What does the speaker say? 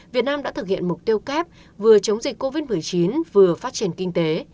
việt nam đã thực hiện mục tiêu kép vừa chống dịch covid một mươi chín vừa phát triển kinh tế